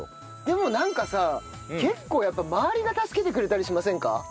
でもなんかさ結構周りが助けてくれたりしませんか？